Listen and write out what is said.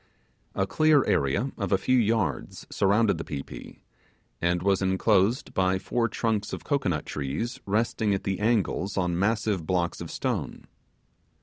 A clear area of a few yards surrounded the pi pi, and was enclosed by four trunks of cocoanut trees resting at the angles on massive blocks of stone.